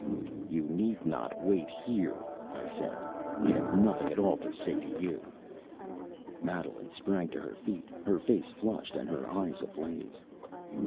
"You need not wait here," I said; "I have nothing at all to say to you." Madeline sprang to her feet, her face flushed and her eyes ablaze.